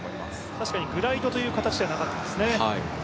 確かにグライドという形じゃないですね。